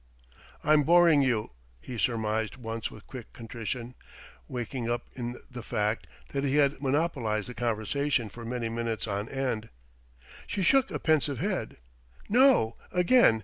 "I'm boring you," he surmised once with quick contrition, waking up to the fact that he had monopolized the conversation for many minutes on end. She shook a pensive head. "No, again....